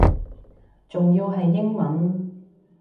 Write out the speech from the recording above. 仲要係英文